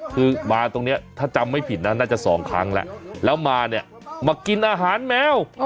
คือมาตรงนี้ถ้าจำไม่ผิดนะน่าจะสองครั้งแล้วแล้วมาเนี่ยมากินอาหารแมว